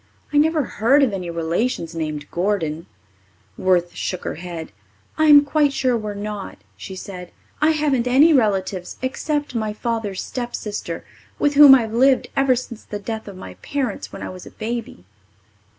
I never heard of any relations named Gordon." Worth shook her head. "I'm quite sure we're not," she said. "I haven't any relatives except my father's stepsister with whom I've lived ever since the death of my parents when I was a baby."